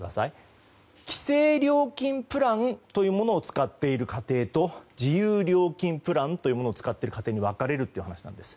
規制料金プランというものを使っている家庭と自由料金プランというものを使っている家庭に分かれるという話なんです。